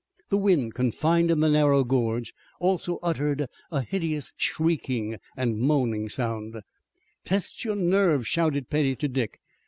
The wind confined in the narrow gorge also uttered a hideous shrieking and moaning. "Tests your nerve!" shouted Petty to Dick.